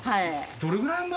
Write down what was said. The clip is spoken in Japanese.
どれぐらい前？